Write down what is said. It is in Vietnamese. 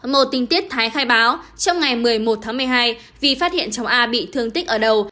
một tinh tiết thái khai báo trong ngày một mươi một tháng một mươi hai vì phát hiện cháu a bị thương tích ở đầu